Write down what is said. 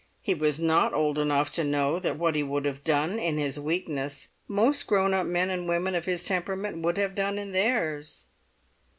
He was not old enough to know that what he would have done, in his weakness, most grown up men and women of his temperament would have done in theirs.